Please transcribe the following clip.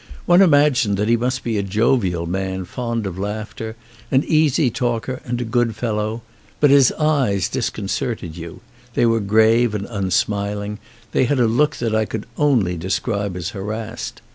One im agined that he must be a jovial man fond of laughter, an easy talker and a good fellow; but his eyes disconcerted you: they were grave and unsmiling; they had a look that I could only de scribe as harassed.